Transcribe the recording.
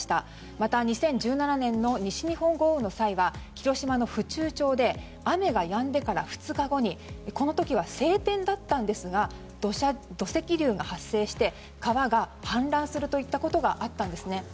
また２０１８年の西日本豪雨の際は広島の府中町で雨がやんでから２日後この時は晴天だったんですが土石流が発生して川が氾濫することがあったんですね。